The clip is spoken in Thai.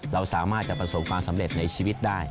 เราสามารถจะประสบความสำเร็จในชีวิตได้